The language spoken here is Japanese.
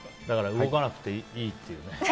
だから動かなくていいっていうね。